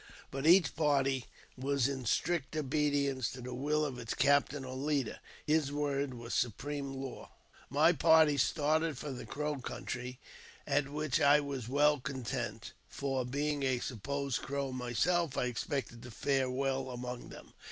But each party was in strict obedience to the will of it& captain or leader : his word was supreme law. My party started for the Crow country, at which I was well content ; for, being a supposed Crow myself, I expected to fare well among them.